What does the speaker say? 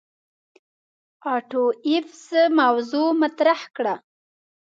آټو ایفز موضوغ مطرح کړه.